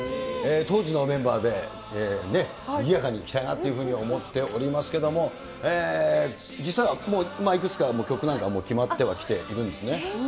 当時のメンバーでにぎやかにいきたいなというふうに思っておりますけれども、実際は、いくつかもう、曲なんかも決まってはきているんですね。